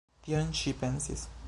Tion ŝi pensis!